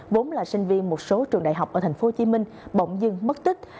vốn là sinh viên một số trường đại học ở tp hcm bỗng dưng mất tích